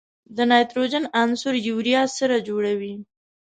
د نایتروجن عنصر یوریا سره جوړوي.